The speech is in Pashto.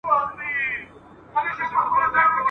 د ځنګله شهنشاه پروت وو لکه مړی ..